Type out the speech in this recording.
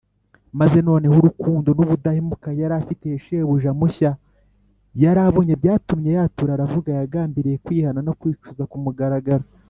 maze noneho urukundo n’ubudahemuka yari afitiye shebuja mushya yari abonye byatumye yatura aravuga yagambiriye kwihana no kwicuza ku mugaragaro